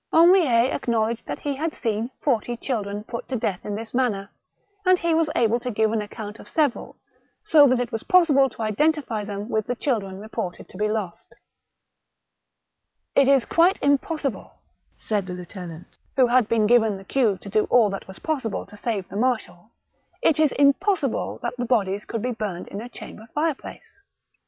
Henriet acknowledged that he had seen forty children put to death in this manner, and he was able to give an account of several, so that it was possible to identify them with the children reported to be lost. 220 THE BOOK OF WERE WOLVES. It is quite impossible," said the lieutenant, who had been given the cue to do all that was possible to save the marshal —" It is impossible that bodies could be burned in a chamber fireplace."